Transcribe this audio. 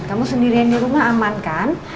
kamu sendirian dirumah aman kan